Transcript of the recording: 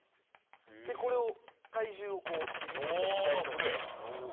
でこれを体重をこう右に乗ったり左に乗ったり。